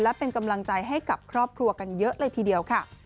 และเป็นกำลังใจให้กับครอบครัวกันเยอะเลยทีเดียวค่ะ